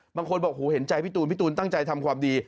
บางคนบอกหูเห็นใจพี่ตูนพี่ตูนตั้งใจทำความดี